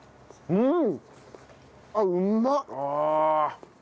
うん。